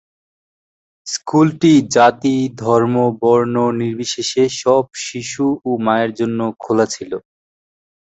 স্কুলটি জাতি ধর্ম বর্ণ নির্বিশেষে সব শিশু ও মায়ের জন্য খোলা ছিল।